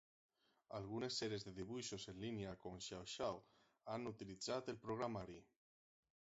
Algunes sèries de dibuixos en línia, com "Xiao Xiao" han utilitzat el programari.